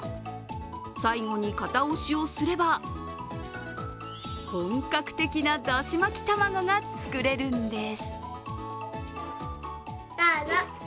最後に型押しをすれば本格的なだし巻き卵が作れるんです。